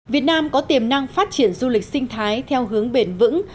việt nam có tiềm năng phát triển du lịch sinh thái theo hướng bền vững